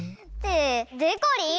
でこりん！